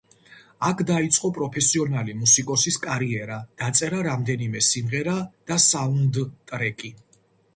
იქ დაიწყო პროფესიონალი მუსიკოსის კარიერა, დაწერა რამდენიმე სიმღერა და საუნდტრეკი.